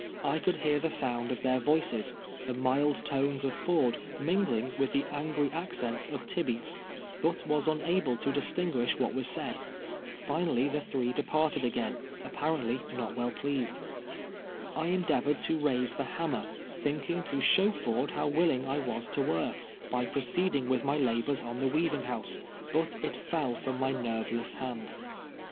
I could hear the sound of their voices, the jnild tones of Ford mingling with the angry accents of Tibeats, hut was unable to distinguish what was said. Finally the tlu'ce departed again, a|>]»arcntly not well i)leased. I endeavored to raise thehannner, thinking to show Ford how willing I was to work, by proceeding with my labors on the weaving house, ])Ut it fell fn»iu my nerveless hand.